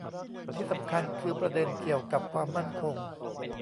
ที่สำคัญคือประเด็นเกี่ยวกับความมั่นคง